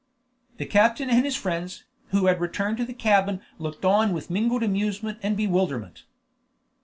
The captain and his friends, who had returned to the cabin looked on with mingled amusement and bewilderment.